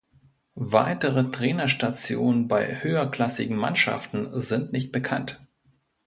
Weitere Trainerstationen bei höherklassigen Mannschaften sind nicht bekannt.